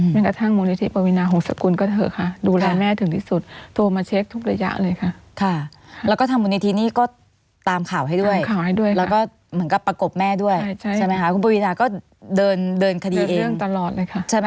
แม้แม่กระทั่งมูลนินทรีปป